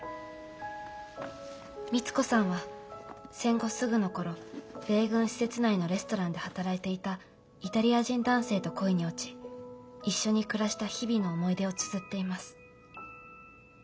光子さんは戦後すぐの頃米軍施設内のレストランで働いていたイタリア人男性と恋に落ち一緒に暮らした日々の思い出をつづっています。